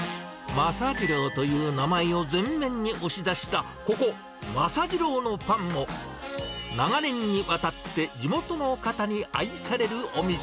政次郎という名前を前面に押し出した、ここ、政次郎のパンも、長年にわたって地元の方に愛されるお店。